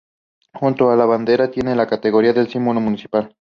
Junto con su bandera, tiene la categoría de símbolo municipal.